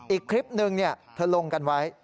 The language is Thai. อีกคลิปนึงเธอลงกันไว้